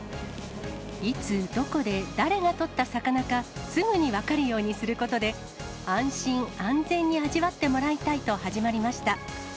いつどこで、誰が取った魚か、すぐに分かるようにすることで、安心安全に味わってもらいたいと始まりました。